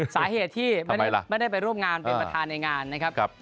สาเหตุที่ไม่ได้ไปร่วมงานเป็นประธานในงานนะครับ